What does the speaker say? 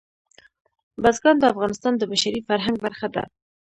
بزګان د افغانستان د بشري فرهنګ برخه ده.